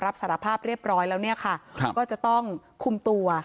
รับสารภาพเรียบร้อยแล้วเนี่ยค่ะครับก็จะต้องคุมตัว